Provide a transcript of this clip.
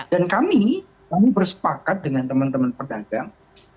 dan kami kami bersepakat dengan teman teman perdagang